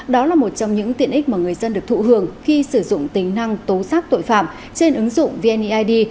đó là một trong những tiện ích mà người dân được thụ hưởng khi sử dụng tính năng tố xác tội phạm trên ứng dụng vneid